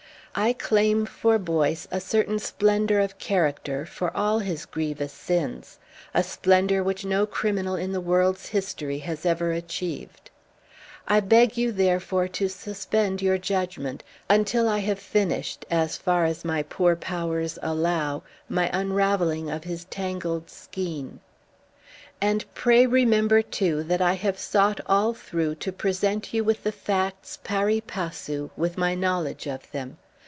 I claim for Boyce a certain splendour of character, for all his grievous sins, a splendour which no criminal in the world's history has ever achieved. I beg you therefore to suspend your judgment, until I have finished, as far as my poor powers allow, my unravelling of his tangled skein. And pray remember too that I have sought all through to present you with the facts PARI PASSU with my knowledge of them.